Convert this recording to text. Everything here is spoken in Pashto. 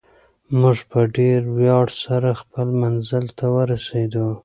موږ په ډېر ویاړ سره خپل منزل ته ورسېدو.